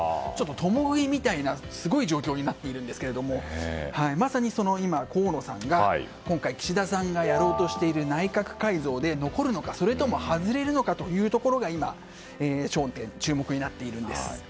共食いみたいなすごい状況になっていますがまさに今、その河野さんが今回岸田さんがやろうとしている内閣改造で残るのかそれとも外れるのかが今、焦点・注目になっています。